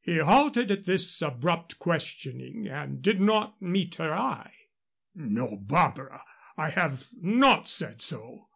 He halted at this abrupt questioning and did not meet her eye. "No, Barbara, I have not said so.